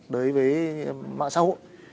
đối với mạng xã hội